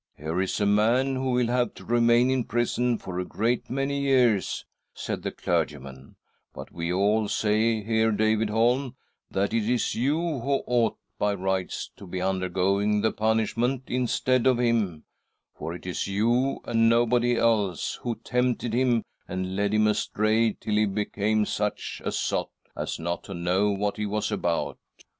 ' Here is a man who will have to remain in prison for a great many years,' said the clergyman, ' but we all say here, David Holm, that it is you who ought by rights to be undergoing the punishment, instead of him, for it is you, and nobody else, who tempted him and led him astray, till he became such a sot as not to know what he was about.'